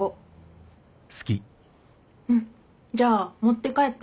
うんじゃあ持って帰って。